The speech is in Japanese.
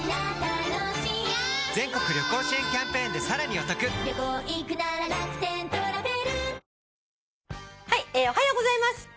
「おはようございます。